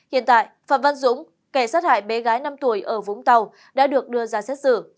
hiện tại phạm văn dũng kẻ sát hại bé gái năm tuổi ở vũng tàu đã được đưa ra xét xử